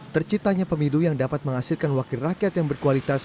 terciptanya pemilu yang dapat menghasilkan wakil rakyat yang berkualitas